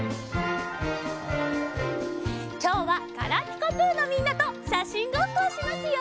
きょうは「ガラピコぷ」のみんなとしゃしんごっこをしますよ。